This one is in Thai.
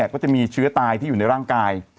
ก็จะมีเชื้อตายที่อยู่ในร่างกาย